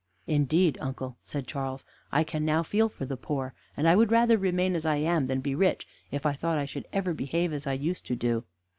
"Indeed, uncle," said Charles, "I can now feel for the poor, and I would rather remain as I am than be rich if I thought I should ever behave as I used to do."